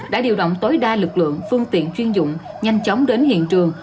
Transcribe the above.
đã điều động tối đa lực lượng phương tiện chuyên dụng nhanh chóng đến hiện trường